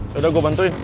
yaudah gue bantuin